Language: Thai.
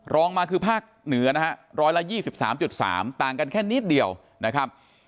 รองมาคือภาคเหนือนะฮะร้อยละยี่สิบสามจุดสามต่างกันแค่นิดเดียวนะครับ